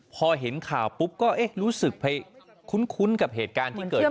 พอเห็นข่าวปุ๊บก็รู้สึกไปคุ้นกับเหตุการณ์ที่เกิดขึ้น